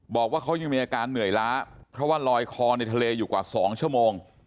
บอกว่าเขายังมีอาการเหนื่อยล้าเพราะว่าลอยคอในทะเลอยู่กว่า๒ชั่วโมง